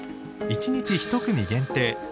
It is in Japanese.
１日１組限定